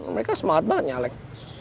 mereka semangat banget nyalek